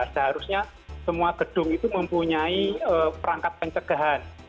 seharusnya semua gedung itu mempunyai perangkat pencegahan